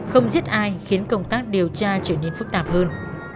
không giết ai khiến công tác điều tra trở nên phức tạp hơn